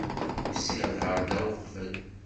Usiɣ-d ɣer da uqbel.